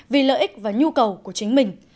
vì lợi ích và nhu cầu của chính mình